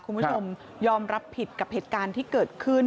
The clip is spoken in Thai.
คุณผู้ชมยอมรับผิดกับเหตุการณ์ที่เกิดขึ้น